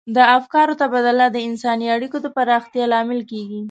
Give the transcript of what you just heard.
د افکارو تبادله د انساني اړیکو د پراختیا لامل کیږي.